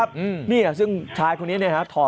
เบิร์ตลมเสียโอ้โห